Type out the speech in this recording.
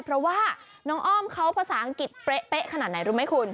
เพราะว่าน้องอ้อมเขาภาษาอังกฤษเป๊ะขนาดไหนรู้ไหมคุณ